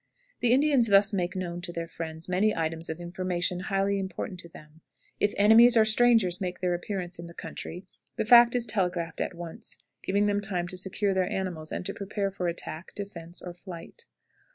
The Indians thus make known to their friends many items of information highly important to them. If enemies or strangers make their appearance in the country, the fact is telegraphed at once, giving them time to secure their animals and to prepare for attack, defense, or flight.